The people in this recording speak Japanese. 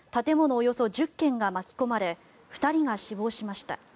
およそ１０軒が巻き込まれ２人が死亡しました。